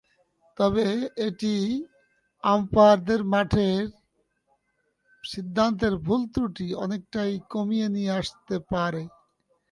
তবে এটি আম্পায়ারদের মাঠের সিদ্ধান্তের ভুল-ত্রুটি অনেকটাই কমিয়ে নিয়ে আসতে পারে।